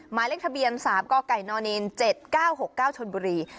หมายเลขทะเบียนสามก็ไก่นอนเอนเจ็ดเก้าหกเก้าชนบุรี